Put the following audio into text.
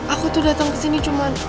aku tuh datang kesini cuman